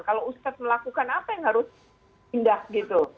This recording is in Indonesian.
kalau ustadz melakukan apa yang harus pindah gitu